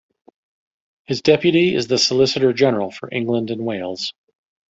His deputy is the Solicitor General for England and Wales.